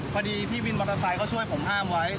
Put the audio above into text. พี่วินมอเตอร์ไซค์เขาช่วยผมห้ามไว้